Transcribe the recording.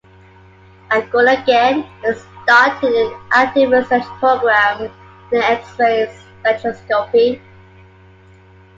At Groningen he started an active research program in X-ray spectroscopy.